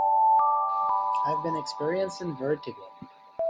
I've been experiencing Vertigo.